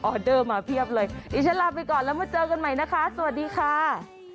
เดอร์มาเพียบเลยดิฉันลาไปก่อนแล้วมาเจอกันใหม่นะคะสวัสดีค่ะ